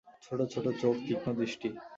ছোটো ছোটো চোখ, তীক্ষ্ণ দৃষ্টি।